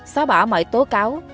xóa bỏ mọi tố cáo